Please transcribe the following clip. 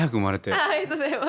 ありがとうございます。